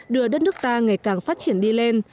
đưa đất nước ta ngày càng phát triển đi lên